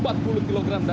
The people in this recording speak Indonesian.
sapi belum termasuk tetelan